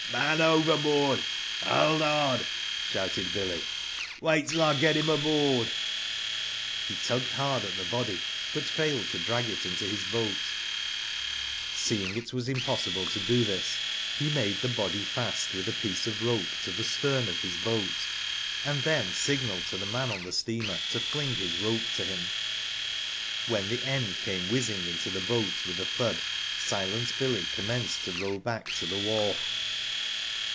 *' Man overboard. Hold hard !'* shouted Billy '' Wait till r get him aboard. He tugged hard at the body, but failed to drag it into his boat. Seeing it was impossible to do this, he made Digitized byGoogk i6 WHO DID ITf the body fast with a piece of rope to the stern of his boat, and then signalled to the man on the steamer to fling his rope to him. When the end came whizzing into the boat with a thud, Silent Billy'* commenced to row back to the wharf.